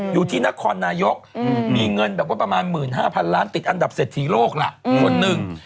อยู่ที่นครนายกมีเงินแบบว่าประมาณ๑๕๐๐๐ล้านติดอันดับเศรษฐีโลกล่ะคนหนึ่ง